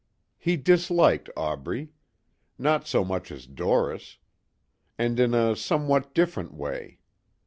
He disliked Aubrey. Not so much as Doris. And in a somewhat different way.